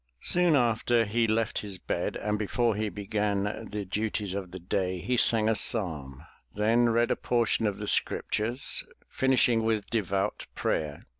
Soon after he left his bed and before be began the duties of the day, he sang a psalm, then read a portion of the scriptures, finishing with devout prayer.